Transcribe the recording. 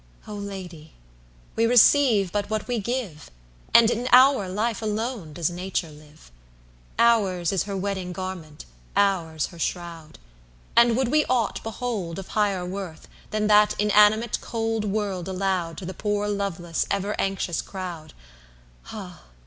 IVO Lady! we receive but what we give, And in our life alone does Nature live; Ours is her wedding garment, ours her shroud! And would we aught behold, of higher worth, Than that inanimate cold world allowedTo the poor loveless ever anxious crowd, Ah!